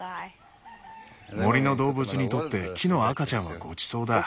森の動物にとって木の赤ちゃんはごちそうだ。